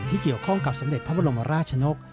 เกี่ยวข้องกับสมเด็จพระบรมราชนก